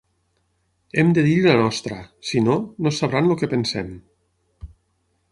Hem de dir-hi la nostra, si no, no sabran el que pensem.